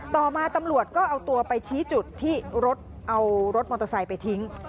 ต่อมาตำรวจก็เอาตัวไปชี้จุดที่รถเอารถมอเตอร์ไซค์ไปทิ้ง